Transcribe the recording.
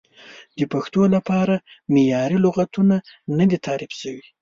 د پښتو لپاره معیاري لغتونه نه دي تعریف شوي.